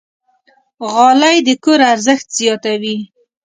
غالۍ د کور ارزښت زیاتوي.